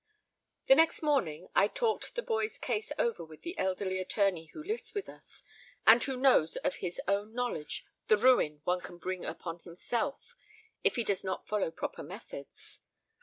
The next morning I talked the boy's case over with an elderly attorney who lives with us, and who knows of his own knowledge the ruin one can bring upon himself if he does not follow proper methods.